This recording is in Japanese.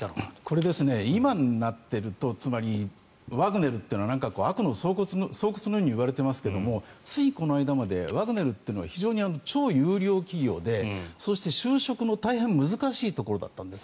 これ、今になっているとつまりワグネルというのは悪の巣窟のように言われていますがついこの間までワグネルというのは非常に超優良企業でそして、就職の大変難しいところだったんです。